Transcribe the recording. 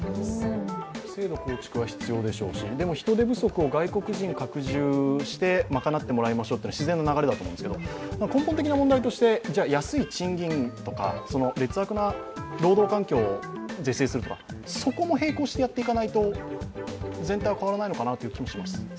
制度構築は必要でしょうしでも人手不足を外国人を拡充して賄ってもらおうというのは自然の流れだと思うんですけど、根本的な問題としてじゃあ、安い賃金とか劣悪な労働環境を是正するとか、そこも並行してやっていかないと全体は変わらないのかなという気がします。